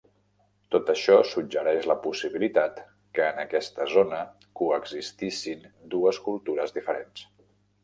Tot això suggereix la possibilitat que en aquesta zona coexistissin dues cultures diferents.